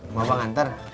mau abang ntar